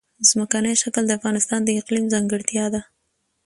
ځمکنی شکل د افغانستان د اقلیم ځانګړتیا ده.